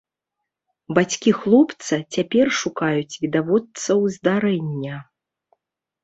Бацькі хлопца цяпер шукаюць відавочцаў здарэння.